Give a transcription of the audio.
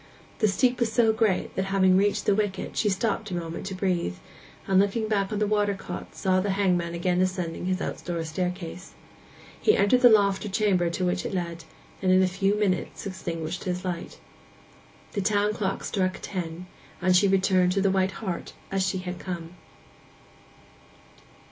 The steep was so great that, having reached the wicket, she stopped a moment to breathe; and, looking back upon the water side cot, saw the hangman again ascending his outdoor staircase. He entered the loft or chamber to which it led, and in a few minutes extinguished his light. The town clock struck ten, and she returned to the White Hart as she had come.